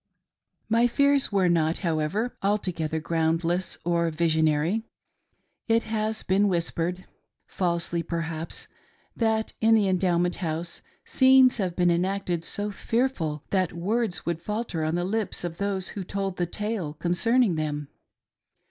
My fears were not, however, altogether groundless or visionary. It has been whispered — falsely perhaps — that in that Endowment House scenes have been enacted so fearful that words would falter on the lips of those who told the tale concerning them.